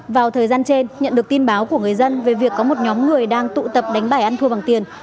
vào thời gian trên nhận được tin báo của người dân về việc có một nhóm người đang tụ tập đánh bài ăn thua bằng tiền